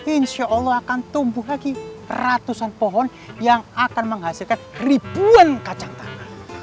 insya allah akan tumbuh lagi ratusan pohon yang akan menghasilkan ribuan kacang tanah